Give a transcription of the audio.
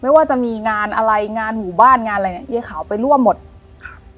ว่าจะมีงานอะไรงานหมู่บ้านงานอะไรเนี้ยเย้ขาวไปร่วมหมดครับ